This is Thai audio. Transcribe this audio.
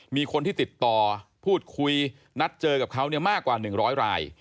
มีคนที่ติดต่อพูดคุยนัดเจอกับเขามากกว่า๑๐๐ราย